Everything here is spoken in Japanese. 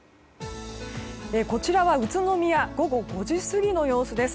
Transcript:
こちらは宇都宮午後５時過ぎの様子です。